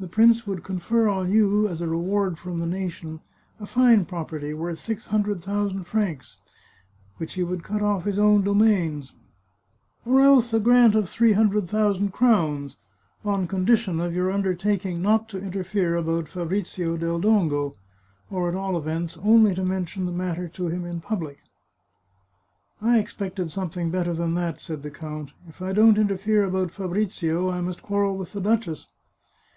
The prince would confer on you, as a reward from the nation, a fine property worth six hundred thousand francs, which he would cut off his own domains, or else a g^ant of three hun dred thousand crowns, on condition of your undertaking not to interfere about Fabrizio del Dongo, or at all events only to mention the matter to him in public." 309 The Chartreuse of Parma " I expected something better than that," said the count. " If I don't interfere about Fabrizio I must quarrel with the duchess."